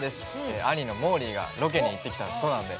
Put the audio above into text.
兄のもーりーがロケに行ってきたそうなんで。